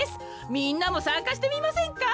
みんなもさんかしてみませんか？